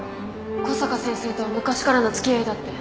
小坂先生とは昔からの付き合いだって。